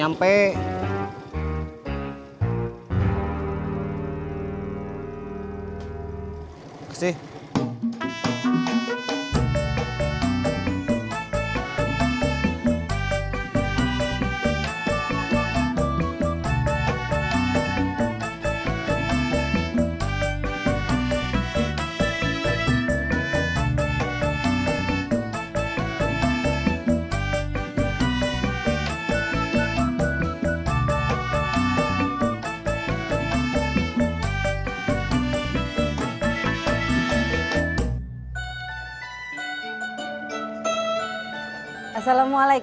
aku tuh dibawa nationally